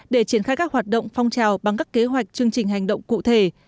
để triển khai các hoạt động phong trào bằng các kế hoạch chương trình hành động cụ thể